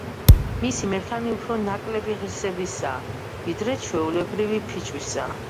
მისი მერქანი უფრო ნაკლები ღირსებისაა, ვიდრე ჩვეულებრივი ფიჭვისა.